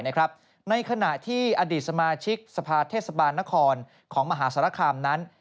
ในขณะที่อดีตสมาชิกสภาเทศบาลนครของมหาสารคามนั้น